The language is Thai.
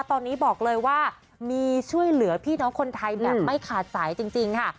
ตอนนี้บอกเลยว่ามีช่วยเหลือพี่น้องคนไทยแบบไม่ขาดสายจริงค่ะ